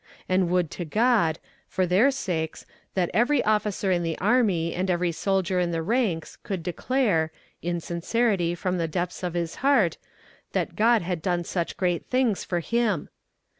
And would to God, for their sakes, that every officer in the army and every soldier in the ranks could declare, in sincerity from the depths of his heart, that God had done such great things for him!